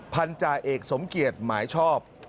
พันธาเอกสมเกียจหมายชอบ